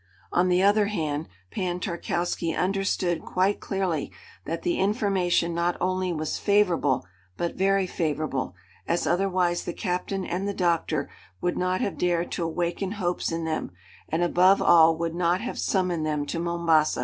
On the other hand, Pan Tarkowski understood quite clearly that the information not only was favorable, but very favorable, as otherwise the captain and the doctor would not have dared to awaken hopes in them, and above all would not have summoned them to Mombasa.